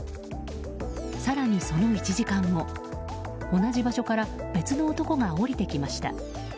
更にその１時間後、同じ場所から別の男が下りてきました。